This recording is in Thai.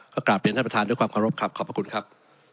ก็กลับเปลี่ยนให้ประทานด้วยความขอบคุณครับ